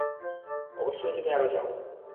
অবশ্যই তুমি আরো চাও।